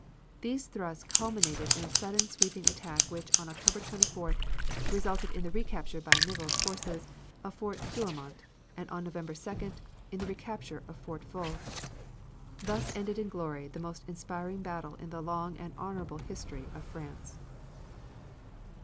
These thrusts culminated in a sudden sweeping attack which on October 24th, resulted in the recapture by Nivelle's forces of Fort Douaumont and on November 2d, in the recapture of Fort Vaux. Thus ended in glory the most inspiring battle in the long and honorable history of France.